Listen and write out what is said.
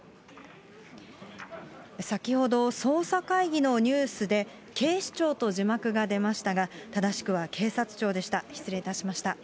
先ほど、捜査会議のニュースで、警視庁と字幕が出ましたが、正しくは警察庁でした。